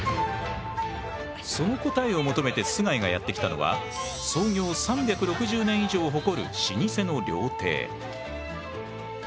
その答えを求めて須貝がやって来たのは創業３６０年以上を誇る老舗の料亭。